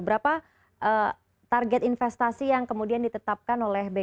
berapa target investasi yang kemudian ditetapkan oleh bk